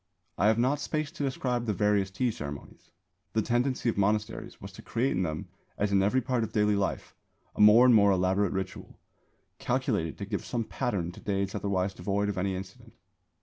I have not space to describe the various tea ceremonies. The tendency of monasteries was to create in them as in every part of daily life a more and more elaborate ritual, calculated to give some pattern to days otherwise devoid of any incident.